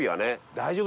大丈夫！